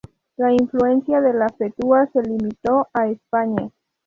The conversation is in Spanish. La influencia de la fetua se limitó a España.